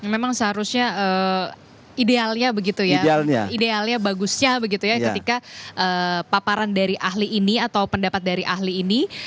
memang seharusnya idealnya begitu ya idealnya bagusnya begitu ya ketika paparan dari ahli ini atau pendapat dari ahli ini